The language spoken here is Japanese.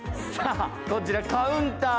こちらカウンター。